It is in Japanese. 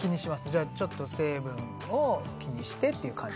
じゃあちょっと成分を気にしてっていう感じ？